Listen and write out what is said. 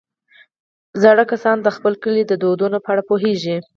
زاړه کسان د خپل کلي د دودونو په اړه پوهېږي